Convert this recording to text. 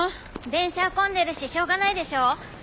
電車は混んでるししょうがないでしょ。